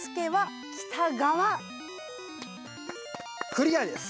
クリアです。